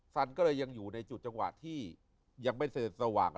ซัลก็ยังอยู่ในจุดจังหวะที่ยังไม่เสนสว่างรับกับพระอาทิตย์